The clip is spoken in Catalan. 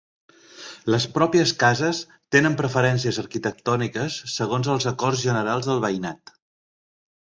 Les pròpies cases tenen preferències arquitectòniques segons els acords generals del veïnat.